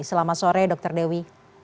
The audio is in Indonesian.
selamat sore dr dewi